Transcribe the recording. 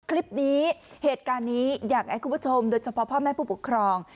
เหตุการณ์นี้เหตุการณ์นี้อยากให้คุณผู้ชมโดยเฉพาะพ่อแม่ผู้ปกครอง